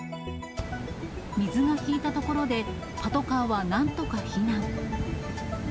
水が引いたところで、パトカーはなんとか避難。